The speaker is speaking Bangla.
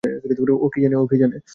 ও কী জানে?